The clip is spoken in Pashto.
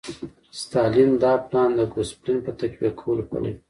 ستالین دا پلان د ګوسپلن په تقویه کولو پلی کړ